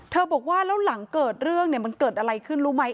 บอกว่าแล้วหลังเกิดเรื่องเนี่ยมันเกิดอะไรขึ้นรู้ไหม